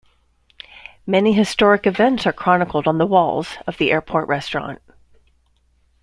Many historic events are chronicled on the walls of the airport restaurant.